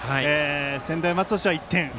専大松戸としては１点。